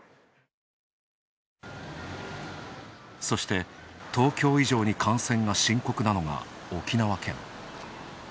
そして、東京以上に感染が深刻なのが沖縄県。